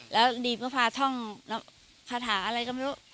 แล้วดีก็พาท่องแล้วคาถาอะไรก็ไม่รู้